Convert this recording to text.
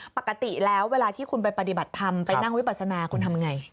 ปกติแล้วเวลาที่คุณไปปฏิบัติธรรมไปนั่งวิปัสนาคุณทำไง